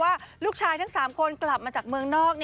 ว่าลูกชายทั้ง๓คนกลับมาจากเมืองนอก